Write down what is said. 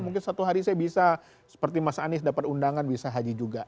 mungkin satu hari saya bisa seperti mas anies dapat undangan bisa haji juga